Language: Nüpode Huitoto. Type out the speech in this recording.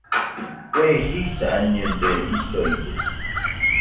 Kue jisañede isoide